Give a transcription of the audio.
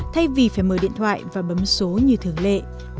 thay vì phải mở điện thoại và bấm số như thường lệ